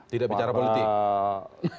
tidak bicara politik